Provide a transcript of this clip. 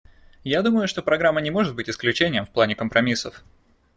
Я думаю, что программа не может быть исключением в плане компромиссов.